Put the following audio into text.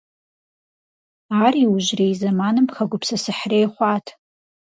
Ар иужьрей зэманым хэгупсысыхьрей хъуат.